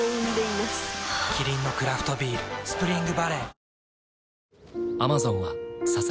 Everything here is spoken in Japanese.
キリンのクラフトビール「スプリングバレー」